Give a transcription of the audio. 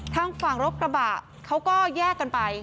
ทางฝั่งรถกระบะเขาก็แยกกันไป